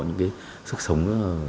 những cái sức sống